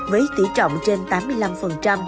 với tỷ trọng trên tám mươi năm